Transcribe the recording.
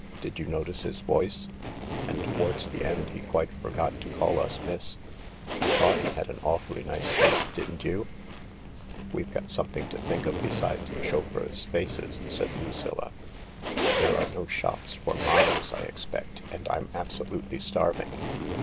Did you notice his voice ? And towards the end he quite forgot to call us ' miss.' I thought he had an awfully nice face, didn't you ?" "We've got something to think of besides chauffeurs' faces," said Lucilla. " There are no shops for miles, I expect, and I'm absolutely starving."